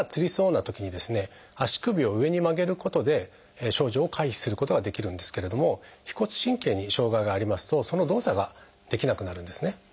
足首を上に曲げることで症状を回避することができるんですけれども腓骨神経に障害がありますとその動作ができなくなるんですね。